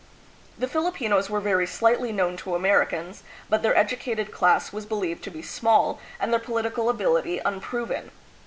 The Fili pinos were very slightly known to Americans, but their educated class was believed to be small and their political ability unproven.